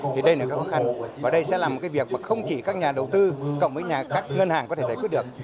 thì đây là các khó khăn và đây sẽ là một cái việc mà không chỉ các nhà đầu tư cộng với các ngân hàng có thể giải quyết được